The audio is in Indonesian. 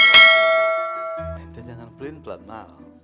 nanti jangan pelin pelan maaf